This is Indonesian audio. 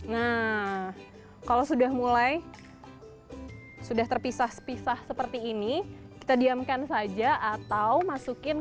nah kalau sudah mulai sudah terpisah pisah seperti ini kita diamkan saja atau masukin